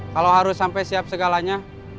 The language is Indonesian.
kalau harus sampai siap segalanya